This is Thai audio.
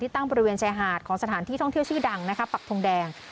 ตั้งบริเวณชายหาดของสถานที่ท่องเที่ยวชื่อดังปักทงแดง